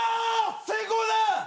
成功だ！